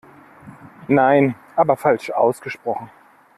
Nein, aber falsch ausgesprochen.